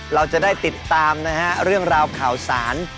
เราจะได้ติดตามนะฮะเรื่องราวข่าวสาร